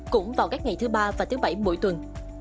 cũng vào các ngày thứ ba và thứ bảy mỗi tuần